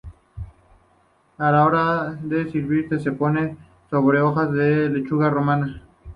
A la hora de servirse se pone sobre hojas de lechuga romana.